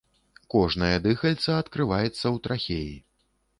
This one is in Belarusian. Кожнае дыхальца адкрываецца ў трахеі.